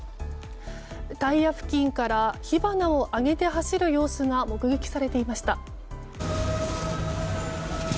タイヤ付近から火花を上げて走る様子が目撃されていました。